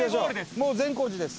もう善光寺です。